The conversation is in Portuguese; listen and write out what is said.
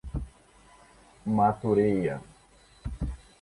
Matureia